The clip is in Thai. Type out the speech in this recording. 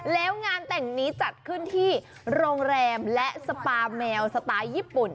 แล้วงานแต่งนี้จัดขึ้นที่โรงแรมและสปาแมวสไตล์ญี่ปุ่น